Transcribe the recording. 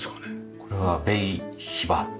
これはベイヒバ。